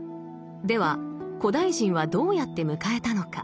では古代人はどうやって迎えたのか。